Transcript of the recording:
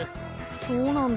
そうなんだ。